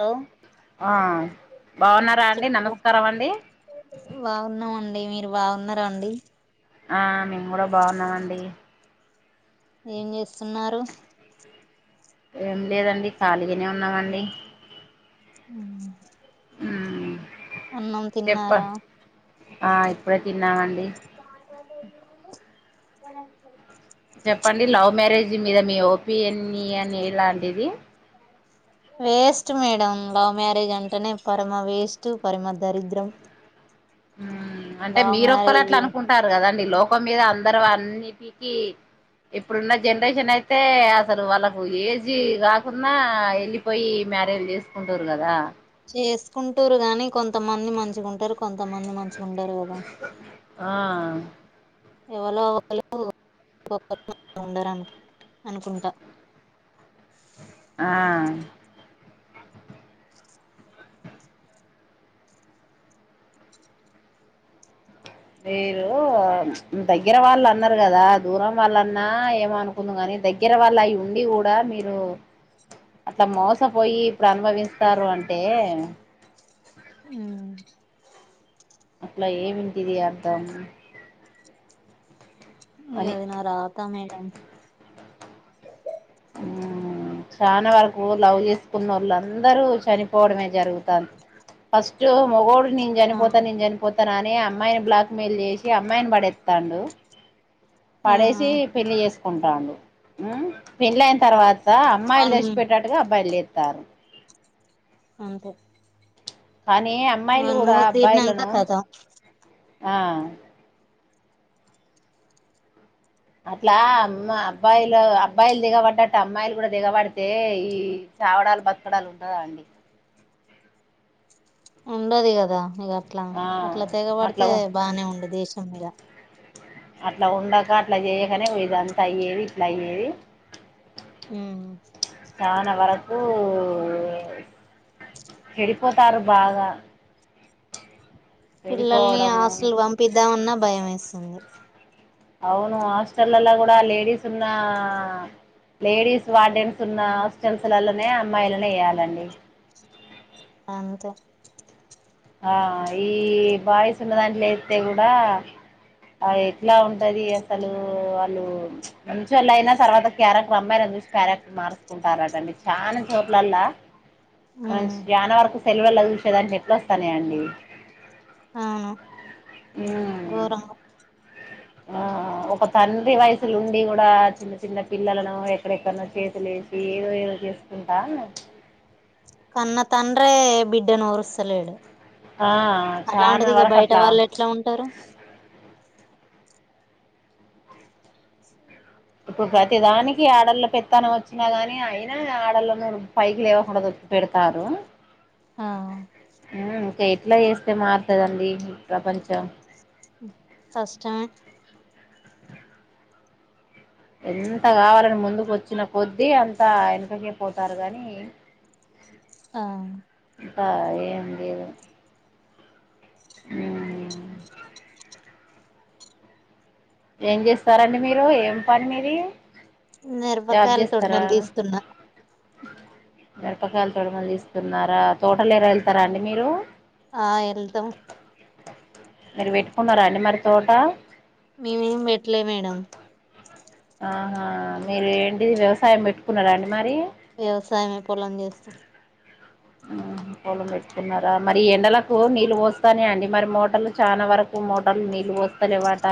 Hello ఆ బాగున్నారా అండి నమస్కారం అండి అడి మీరు బాగున్నారా అండి ఆ మేము కూడా బాగున్నాండి ఏం చేస్తున్నారు ఏం లేదండి ఖాళీగానే ఉన్నామండి మ్మ్ అన్నం చెప్ప తిన్నారా ఆ ఇప్పుడే తిన్నామండి నాడిన చెప్పండి లవ్ మ్యారేజ్ మీద మీ ఓపిఎన్ని అని ఎలాంటిది వేస్ట్ మేడం లవ్ మ్యారేజ్ అంటేనే పరమ వేస్ట్ పరమ దరిద్రం అంటే లవ్ మీరొక్కరు మ్యారేజ్ అట్లా అనుకుంటారు కదండి లోకం మీద అందర అన్నిటికీ ఇప్పుడున్న జనరేషన్ అయితే అసలు వాళ్ళకు ఏజ్ కాకుండా వెళ్ళిపోయి మ్యరేజ చేసుకుంటారు కదా చేసుకుంటూరు గాని కొంతమంది మంచిగా ఉంటారు కొంతమంది మంచిగా ఉండారు కదా ఆ ఎవలో ఒక్కలు ఒక్క ఉండ అనుకుంటా ఆ మీరు దగ్గర వాళ్ళు అన్నారు కదా దూరం వాళ్ళన్నా ఏమనుకుంది కాని దగ్గర వాళ్ళ అవి ఉండి కూడా మీరు అట్లా మోసపోయి ఇప్పుడు అనుభవిస్తారు అంట మ్మ్ అట్లా ఏ వింటదిర్తము మీ అదనా రాతా మేడం ఆ చాలా వరకు లవ్ చేసుకున్న వాళ్ళు అందరూ చనిపోవడమే జరుగుతంది ఫస్ట్ మగోడు నేను ఆ చనిపోతాను నేను చనిపోతాన అని అమ్మాయిని బ్లాక్ మెయిల్ చేసి అమ్మాయిని పడేస్తాండు ఆ పడేసి పెళ్లి చేసుకుంటాడు పెళ్ళి అయిన తర్వాత అమ్మాయిలు వాని లేచి పెట్టేట్టుగా అబ్బాయిలుస్తారు అంతే కానీ అమ్మాయిలు వాని కూడా మూతి తీరినంక అబ్బాయిలను కథం ఆ అట్లా అమ్మ అబ్బాయిలు అబ్బాయిలు దిగబడ్డట్టు అమ్మాయిలు కూడా దిగబడితే ఈ చావడాలు బతకడాలు ఉంటదా అండి ఉండది కదా ఇక అట్లా ఆ అట్లా అట్లా తెగబడితే బానే ఉండదు దేశం మీద అట్లా ఉండక అట్లా చేయకనే పోది అంతా అయ్యేది ఇట్లా అయ్యేది మ్మ్ చాలా వరకు చెడిపోతారు బాగా పిల్లల్ని చెడిపోవడము హాస్టల్ కి పంపిద్దామన్నా భయం వేస్తుంది అవును హాస్టళ్లలో కూడా లేడీస్ ఉన్నా లేడీస్ వార్డెన్స్ ఉన్న హాస్టల్స్లలోనే అమ్మాయిలననీ వేయాలండి అంతే ఆ ఈ బాయ్స్ ఉన్న దాంట్లో ఎత్తే కూడా ఆ ఎట్లా ఉంటది అసలు వాళ్ళు మంచి వాళ్ళు అయినా తర్వాత క్యారెక్టర్ అమ్మాయి లను చూసి క్యారెక్టర్ మార్చుకుంటారటండి చాలా చోట్లలా మనం ఉమ్ చానా వరకు సెల్వలో చూసే దాంట్లో ఎట్ల వస్తాన్నాయాండి అవును ఘోరంగా ఆ ఒక తండ్రి వయసులుండి కూడా చిన్న చిన్న పిల్లలను ఎక్కడెక్కడనో చేతులేసి ఏదో చేసుకుంటా ఉన్నార్ కన్న తండ్రే బిడ్డను ఓర్స్తలేడు ఆ చానా అలాంటిది ఇగ వరకు బయట అట్లా వాళ్ళు ఎట్లా ఉంటారు ఇప్పుడు ప్రతి దానికి ఆడళ్ళ పెత్తనం వచ్చినా గాని అయినా ఆడల్లో పైకి లేవకుండా తొక్కి పెడతారు ఆ మ్ ఇంకా ఎట్లా చేస్తే మారుతదండి ఈ ప్రపంచం కష్టమే ఎంత కావాలని ముందుకు వచ్చిన కొద్దీ అంతా వెనకకే పోతారు గాని ఆ ఇంక ఏం లేదు మ్ ఏం చేస్తారండి మీరు ఏం పని మీది నేర్పకాయలు తొండలు తీస్తున్నా మిరపకాయలు తొడిమలు తీస్తున్నారా తోటలు ఎర వెళ్తారా అండి మీరు ఆ ఎల్తమ్ మరి పెట్టుకున్నారా అండి మరి తోట మేమేం పెట్టలే మేడం ఆహా మీరేంటి వ్యవసాయం పెట్టుకున్నారా అండి మరి వ్యవసాయమే పొలం చేస్తాం మ్ పొలం పెట్టుకున్నారా మరి ఎండలకు నీళ్ళు పోస్ స్తానే అండి మరి మోటార్లు చాలా వరకు మోటార్లు నీళ్ళు పోస్తాలేవాట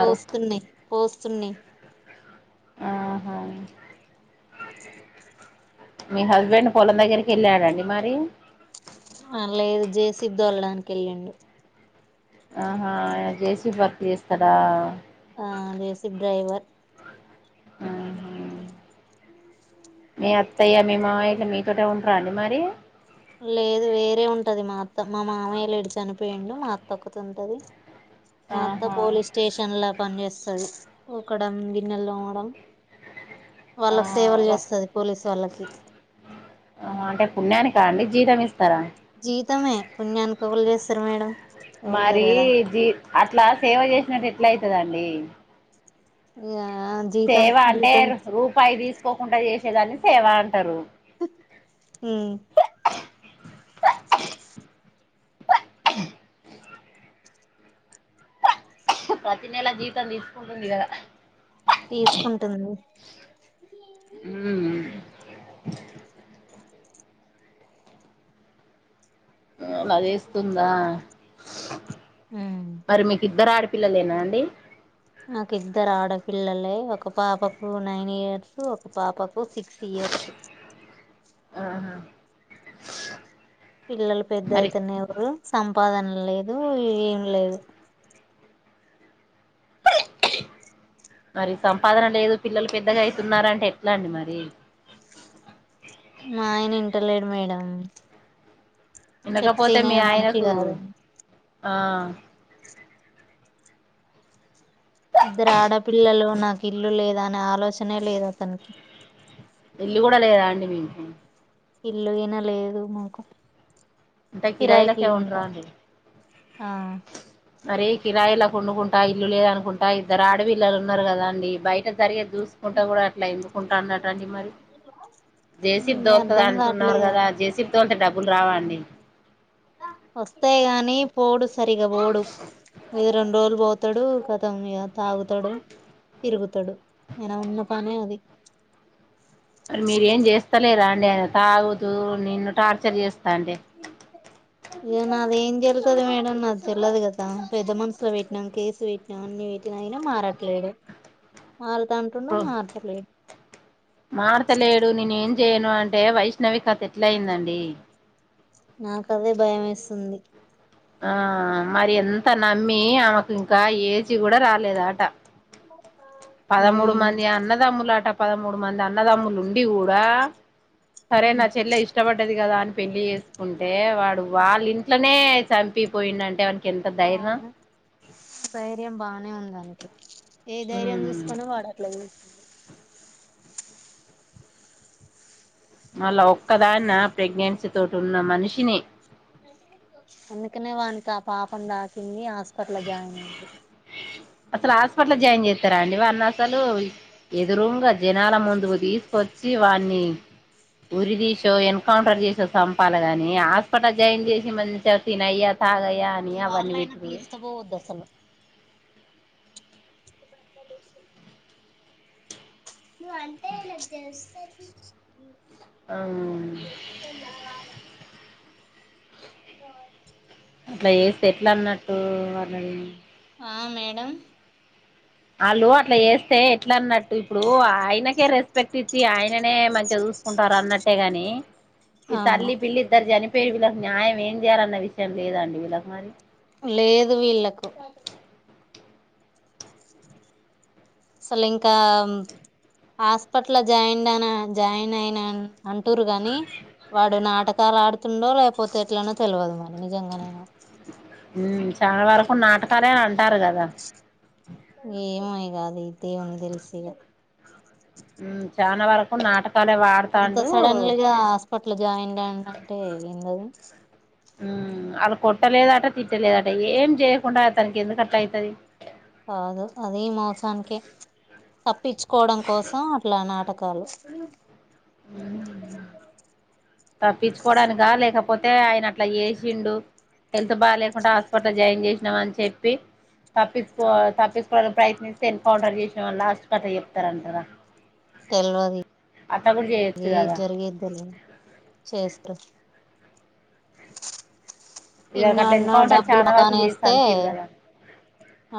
పోస్తున్నాయ్ పోస్తున్నాయ్ ఆహా మీ హస్బెండ్ పొలం దగ్గరికి వెళ్ళాడండి మరి ఆ లేదు జేసిపి తోలడానికి వెళ్లిండు ఆహా జేసీపి వర్క్ చేస్తాడా ఆ జేసిప్ డ్రైవర్ ఉమ్ హు మీ అత్తయ్య మీ మామయ్య మీతోటే ఉంటారా అండి మరి లేదు వేరే ఉంటది మా అత్త మా మామయ్య లేడు చనిపోయిండు మా అత్త ఒకతే ఉంటది మా అత్త ఆహా పోలీస్ స్టేషన్ ల పని చేస్తాది ఉకడం గిన్నెలు తోమాడం ఆ వాళ్ళకి ఆ అంటే పుణ్యానికా అండి జీతమిస్తారా జీతమే పుణ్యాని కి ఎవలు చేస్తారు మేడం ఎవలు మరి చేయరు కదా జీ అట్లా సేవ చేసినట్టు ఎట్లా అయితదండి ఇగ జీతం సేవ అంటే జీతం రూపాయి, తీసుకోకుంట చేసేదాన్ని సేవ అంటరు. ఉ ప్రతి నెలా జీతం తీసుకుంటుంది. గదా తీసుకుంటదన్డి. [unintelligible] నాదేస్తుందా, ఉమ్ మరి మీకు ఇద్దరు ఆడిపి పిల్లలేనా అండి నాకు ఇద్దరు ఆడపిల్లలే, ఒక పాపకు నైన్ ఇయర్స్ ఒక పాపకు సిక్స్ ఇయర్స్, ఇయర్స్ ఆహా పిల్లలు పెద్ద మరి అయితనేఊర్రు, సంపాదన లేదు ఏం లేదు [unintelligible] మరి సంపాదన లేదు పిల్లలు పెద్దగా అయితున్నారంటే, ఎట్లా అండి మరి మా ఆయన ఇంటలేడు మేడం ఇనకపోతే చెప్తేనే మీ మనిషి ఆయనకు కాదు ఆ ఇద్దరు ఆడపిల్లలు నాకు ఇల్లు లేదా అనే ఆలోచనే లేదు అతనికి ఇల్లు గూడా లేదా అండి మీకు ఇల్లుగినా లేదు మకు టె కిరాయిలకె ఉంటరా అండి, ఆ మరీ కిరాయిలా కొండుకుంటా ఇల్లు లేద అనుకుంటా, ఇద్దరు ఆడపిల్లలు ఉన్నారు కదా అండి బయట జరిగేది, చూసుకుంట గూడా అట్లా ఎందుుకుంటా అన్నట్టు అండి మరి, జేసీపీ ఇగ దోల్తా దా అర్ధం అంటున్నారు, కావట్లేదు కదా ఆయనకి జేసిపి తోళ్తే డబ్బులు రావ అండి, వస్తేయి గాని పోడు సరిగా పోడు ఇ రెండు రోజులు పోతడు కతం ఇక తాగుతడు, తిరుగుతడు, అయినా ఉన్న పన్నే అది మరి మీరేం చేస్తలేర అండి ఆయనకు తాగుతూ నిన్ను టార్చర్ చేస్తాంటే, ఇ నాద ఏం జెల్లుతది, మేడం నాది జెల్లేదు కదా పెద్ద మనుసులో పెట్టినాం కేసు పెట్టినాం అన్ని పెట్టి అయినా మాారట్లేడు, అబ్బో మార్తలేడు నిను ఏం చేయను అంటే వైష్ణవి కత ఎట్లా అయిందండి. నాకదే భయ వేస్తుంది. ఆ మరి ఎంత నమ్మి ఆమెకు ఇంకా ఏజీ కూడా రాలేద ఆట పదమూడు ఉమ్ మంది అన్నదమ్ములట, పదమూడు మంది అన్నదమ్ములు ఉండి గూడా, సరే నా చెల్లె ఇష్టపడ్డది గదా అని పెళ్లి చేసుకుంటే వాడు వాళ్ళ ఇంట్లోనే చంపిపోయిండ అంటే అన్న అవును ధైర్యం బానే ఉందళ్ళకి ఏ ధైర్యం చూసుకోనో వాడట్ల జేసిండు మళ్ళా ఒక్కదాన్న ప్రెగ్నెన్సీ తోటి ఉన్న మనిషిని అందుకనే వానికి ఆ పాపం దాకింది హాస్పిటల్ జాయిన్ అఇంది అసలు హాస్పిటల్ జాయిన్ చేస్తారా అండి వావన్న అసలు ఎదురు జనాల ముందు తీసుకొచ్చ చ్చివాన్ని ఉరి తీసో ఎన్కౌంటర్ జేసో సంపాల గాని హాస్పిటల్ జాయిన్ చేసి మంచిగ తినయ్యా తాగయ్యా అని అవును అవన్నీ వాళ్ళయినా పెట్టుడు తీసుకపోవద్దు అసలు ను అం తే గ నాక్ తెల్స్ అఉమ్ వాచ్ అట్లా జేస్తే ఎట్లా అన్నట్టు వాళ్ళని ఆ మేడం వాళ్ళు అట్లా చేస్తే ఎట్లా అన్నట్టు ఇప్పుడు ఆయనకే రెస్పెక్ట్ ఇచ్చి ఆయననే మంచిగా చూసుకుంటారు అన్నట్టేగాని ఈ అవును తల్లి పిల్లి ఇద్దరు జని పేరు వీళ్ళకి న్యాయం ఏం చేయాలన్న విషయం లేదండి వీళ్ళకి మరి లేదు వీళ్ళలకు అసలు ఇంకా హాస్పిటల్ ల జాయిన్ అనా జాయిన్ అయిన అంటుర్రు గాని వాడు నాటకాలు ఆడుతుండో లేకపోతే ఎట్లనో తెలియదు మరి నిజంగా నేనో చాలా వరకు నాటకాలేంట ఏమో ఇగ అది దేవునికి తెలిసి చానా వరకు నా అంత సడన్ గా హాస్పిటల్ ల జాయిన్ అంటే ఏందిది అల్లూ కొట్టలేదట తిట్టలేదట ఏం చేయకుండా అ తననికి ఎందుకట్లా అయితది కాదు అది మోసానికే తప్పించుకోవడం కోసం అట్లా నాటకాలు తప్పించుకోడానిగా లేకపోతే ఆయన అట్లా చేసిండు హెల్త్ బాగా లేకుండా హాస్పిటల్ లా జాయిన్ చేసినాం అని చెప్పి తప్పించుకో తప్పించకోడానికి ప్రయత్నిస్తే ఎన్ కౌంటర్ చేసామని లాస్ట్ కట్టా చెప్తారంటారా అట్లా కూడా చేయొచ్చు తెలియదు కదా జరిగేది తెలియదు చేస్త ఇదివరకు ఇన్నో అట్లా అన్నో ఎన్కౌంటర్ డబ్బులు చాలా వరకు మోకాన చేసి వేస్తే చంపిరు కదా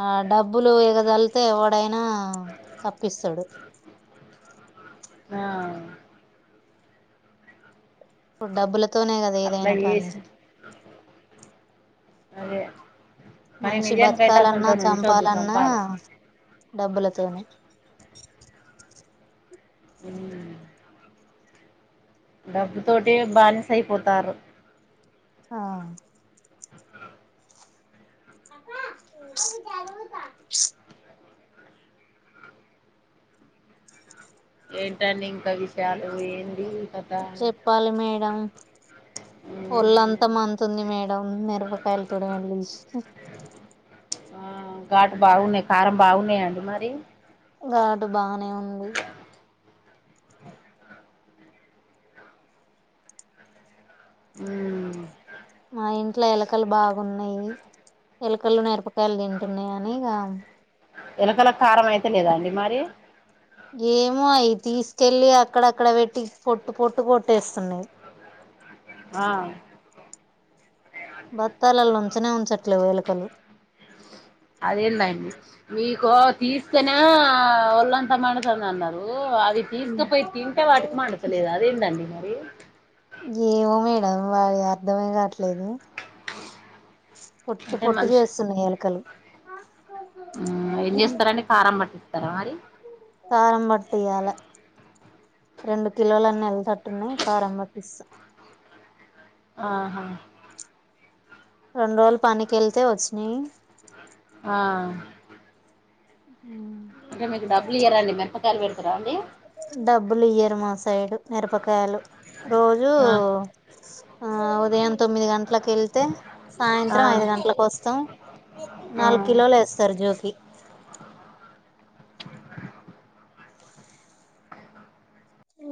ఆ డబ్బులు ఎగజలితే వాడైనా తప్పిస్తాడు ఆ ఇప్పుడు డబ్బులతోనే కదా అట్లా ఏదైనా పని చేసి అదే కానీ మనిషి నిజానికైతే బతకాలన్నా అసంటోని ఉంచొద్దు చంపాలన్నా చంపాలి డబ్బులతోనే అ డబ్బు తోటి బానిసై అయిపోతారు. ఆ [inaudible] ఏంటండి ఇంకా విషయాలు ఏంటి చెప్పాలి మేడం ఒళ్ళంతా మండుతుంది మేడం మిరపకాయల తొడిమెలు తీసి ఆ ఘాటు బాగున్నాయి కారం బాగున్నాయండి మరి ఘాట్ బానే ఉంది ఆ మా ఇంట్లో ఎలకలు బాగున్నాయి ఎలకలు నేర్ప కాయలు తింటున్నాయి అనిగా ఎలకల కారం అయితే లేదాండి మరి ఏమో అయి తీసుకెళ్ళలి అక్కడక్కడ పెట్టి పొట్టు పొట్టు కొట్టేస్తున్నాయి ఆ బత్తాలల్లోంచనే ఉంచట్లే వేలుకలు తీసుకనే ఒళ్ళంతా మండుతుంద అన్నారు అవి తీసుకుపోయి తింటే వాటికి మండతలేదు అదేంటండి మరి ఏమో మేడం అది అర్థమయ కాట్లే దు పొట్టు అంటే పొట్టు మనిషి చేస్తున్నాయి ఏలకలు ఏం చేస్తారండి కారం పట్టిస్తారా మరి కారం బట్టియాలే రెండు కిలోలన్నీ వెళ్లేటట్టున్నాయి కారం పట్టిస్తా ఆహా రెండు రోజులు పనికి వెళ్తే వచ్చినాయి ఆ అంటే మీకు డబ్బులు ఇయ్యరాండి మేరపకాయలు పెడుతారా అండి డబ్బులు ఇయ్యరు మా సైడు మిరపకాయలు రోజూ ఆ ఆ ఉదయం తొమ్మిది గంటలకి వెళ్తే ఆ సాయంత్రం ఐదు గంటల కోస్తం నాలుగు ఆ కిలోలు వేస్తారు జోకి